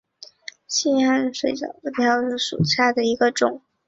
希罕暗哲水蚤为厚壳水蚤科暗哲水蚤属下的一个种。